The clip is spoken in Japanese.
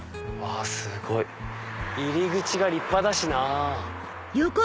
すごい入り口が立派だしな。